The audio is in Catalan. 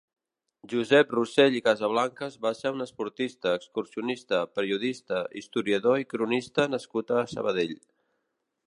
Josep Rosell i Casablancas va ser un esportista, excursionista, periodista, historiador i cronista nascut a Sabadell.